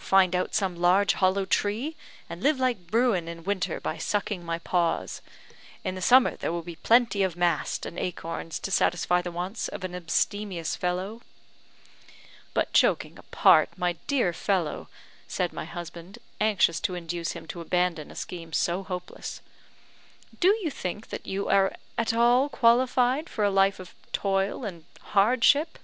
"Find out some large hollow tree, and live like Bruin in winter by sucking my paws. In the summer there will be plenty of mast and acorns to satisfy the wants of an abstemious fellow." "But, joking apart, my dear fellow," said my husband, anxious to induce him to abandon a scheme so hopeless, "do you think that you are at all qualified for a life of toil and hardship?"